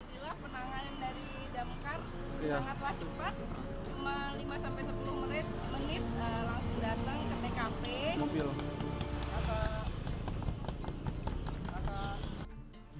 penanganan dari damkar lima sepuluh menit langsung datang ke bkp